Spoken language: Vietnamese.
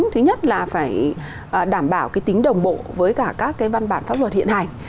thứ nhất là phải đảm bảo cái tính đồng bộ với cả các cái văn bản pháp luật hiện hành